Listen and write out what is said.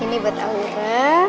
ini buat aura